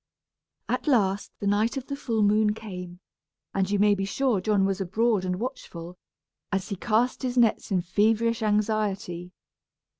At last the night of the full moon came, and you may be sure John was abroad and watchful, as he cast his nets in feverish anxiety.